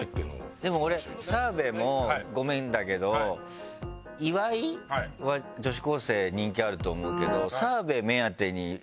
でも俺澤部もごめんだけど岩井は女子高生人気あると思うけど。